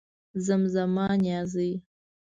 زمزمه نيازۍ